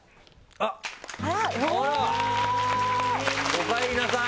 おかえりなさい！